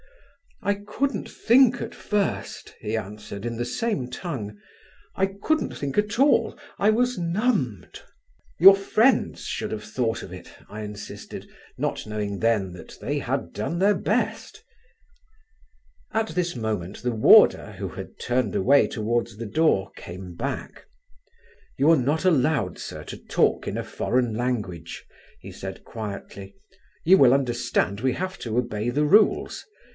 "I couldn't think at first," he answered in the same tongue; "I couldn't think at all: I was numbed." "Your friends should have thought of it," I insisted, not knowing then that they had done their best. At this moment the warder, who had turned away towards the door, came back. "You are not allowed, sir, to talk in a foreign language," he said quietly. "You will understand we have to obey the rules.